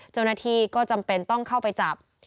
เจ้าหน้าที่ก็จำเป็นต้องเข้าไปจับ